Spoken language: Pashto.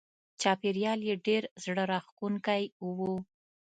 چاپېریال یې ډېر زړه راښکونکی و.